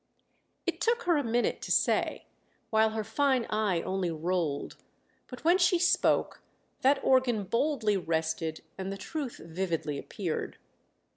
It took her a minute to say, while her fine eye only rolled; but when she spoke that organ boldly rested and the truth vividly appeared.